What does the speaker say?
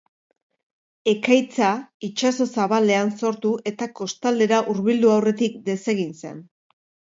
Ekaitza itsaso zabalean sortu eta kostaldera hurbildu aurretik desegin zen.